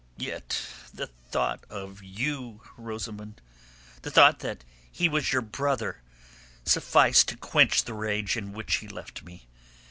Yet the thought of you, Rosamund, the thought that he was your brother sufficed to quench the rage in which he left me.